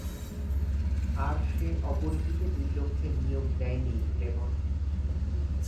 আর সে অপরিচিত দুই লোককে নিয়োগ দেয়নি, লেমন।